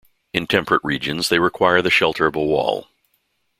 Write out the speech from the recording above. In temperate regions they require the shelter of a wall.